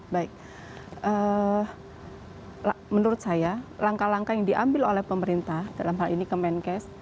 baik menurut saya langkah langkah yang diambil oleh pemerintah dalam hal ini kemenkes